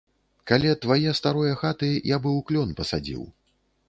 Каля твае старое хаты я быў клён пасадзіў.